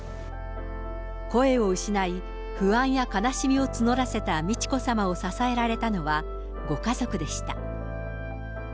声を失い、不安や悲しみを募らせた美智子さまを支えられたのは、ご家族でした。